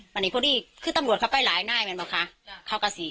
ปันนิพูดดี้คือต้ำรวจเข้าไปหลายหน้ามันบอกค้า